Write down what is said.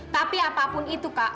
tapi apapun itu kak